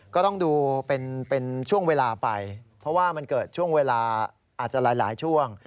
ก็ต้องดูเป็นช่วงเวลาไปเพราะว่ามันเกิดช่วงเวลาอาจจะหลายช่วง